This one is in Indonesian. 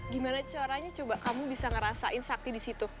gimana caranya coba kamu bisa ngerasain sakti di situ